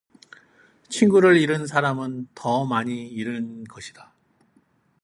친구를 잃은 사람은 더 많이 잃은 것이다.